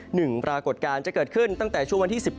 หนึ่งปรากฏการณ์จะเกิดขึ้นตั้งแต่ช่วงวันที่๑๘